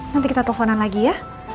nanti kita teleponan lagi ya